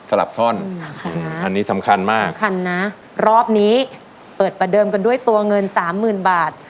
ท่อนอันนี้สำคัญมากสำคัญนะรอบนี้เปิดประเดิมกันด้วยตัวเงินสามหมื่นบาท